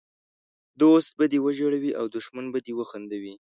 دوست به دې وژړوي او دښمن به دي وخندوي!